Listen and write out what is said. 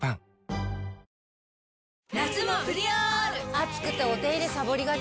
暑くてお手入れさぼりがち。